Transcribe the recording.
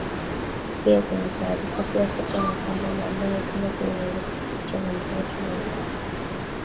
pia kuna taarifa kuwa soko ni KongoBaadae ikaja kudhihirika kupitia vyombo vyetu vya